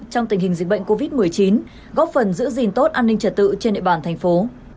trong tình hình dịch bệnh covid một mươi chín góp phần giữ gìn tốt an ninh trật tự trên địa bàn thành phố